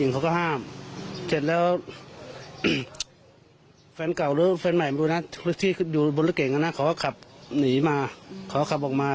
เขาก็ขับหนีมาเขาก็ขับออกมา